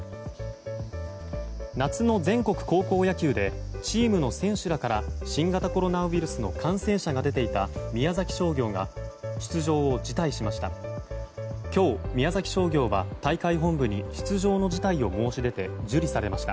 夏の全国高校野球でチームの選手らから新型コロナウイルスの感染者が出ていた宮崎商業が出場を辞退しました。